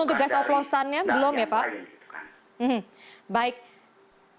baik terima kasih kapolda sulawesi selatan irjen paul anton carliens sudah bergabung di sian indonesia tonight